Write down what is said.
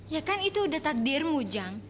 ya kan itu udah takdirmu jang